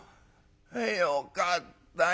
よかったよ。